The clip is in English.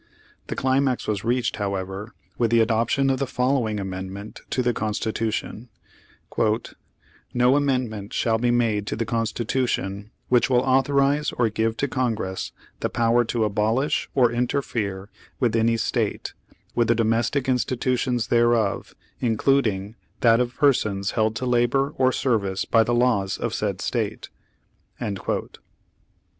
The climax was reached, however, with the adoption of the following amendment to the Con stitution: "No amendment shall be made to the Constitution which will authorize or give to Con gress the power to abolish, or interfere with any State, with the domestic institutions thereof, in cluding that of persons held to labor or service by the laws of said State."